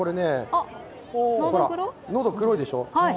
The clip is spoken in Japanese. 喉が黒いでしょ。